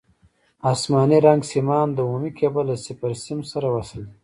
اسماني رنګ سیمان د عمومي کیبل له صفر سیم سره وصل دي.